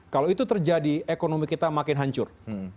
kalau itu terjadi ekonomi kita makin hancur